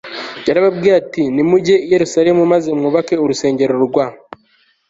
yarababwiye ati nimujye i yerusalemu maze mwubake urusengero rwa